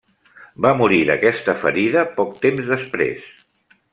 Va morir d'aquesta ferida poc temps després.